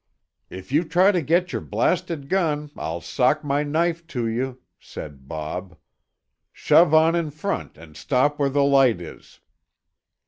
"If you try to get your blasted gun, I'll sock my knife to you," said Bob. "Shove on in front and stop where the light is."